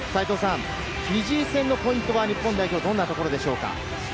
フィジー戦のポイントはどんなところでしょうか？